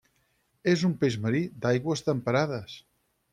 És un peix marí i d'aigües temperades.